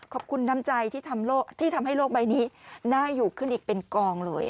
น้ำใจที่ทำให้โลกใบนี้น่าอยู่ขึ้นอีกเป็นกองเลย